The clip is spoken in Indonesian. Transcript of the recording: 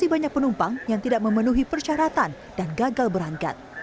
masih banyak penumpang yang tidak memenuhi persyaratan dan gagal berangkat